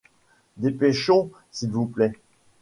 Dépêchons, s’il vous plaît.